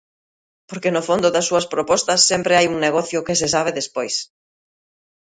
Porque no fondo das súas propostas sempre hai un negocio que se sabe despois.